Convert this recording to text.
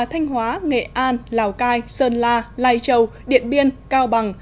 thanh hóa nghệ an lào cai sơn la lai châu điện biên cao bằng